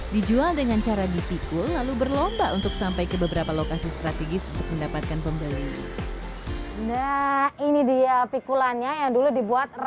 dijual dengan cara dipikul lalu berlomba untuk sampai ke beberapa lokasi strategis untuk mendapatkan pembeli